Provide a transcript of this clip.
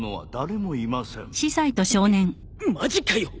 マジかよ。